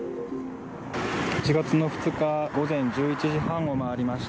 １月２日午前１１時半を回りました。